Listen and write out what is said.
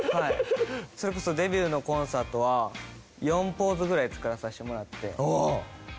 それこそデビューのコンサートは４ポーズぐらい作らさせてもらって。